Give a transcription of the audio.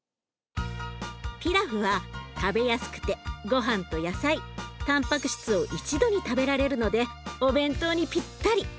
ピラフは食べやすくてごはんと野菜たんぱく質を一度に食べられるのでお弁当にぴったり。